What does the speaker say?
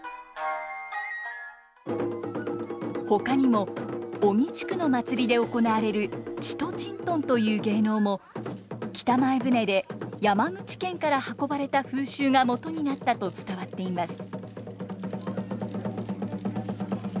ほかにも小木地区の祭りで行われる「ちとちんとん」という芸能も北前船で山口県から運ばれた風習がもとになったと伝わっています。